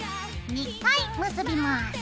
２回結びます。